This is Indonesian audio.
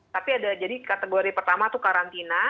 tapi ada jadi kategori pertama itu karantina